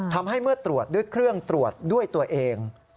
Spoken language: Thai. ทำให้เมื่อตรวจด้วยเครื่องตรวจด้วยตัวเอง